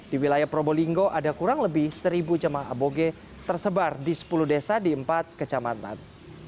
di wilayah probolinggo ada kurang lebih seribu jemaah aboge tersebar di sepuluh desa di empat kecamatan